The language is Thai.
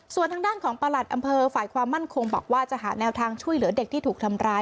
ส่วนทางด้านของประหลัดอำเภอฝ่ายความมั่นคงบอกว่าจะหาแนวทางช่วยเหลือเด็กที่ถูกทำร้าย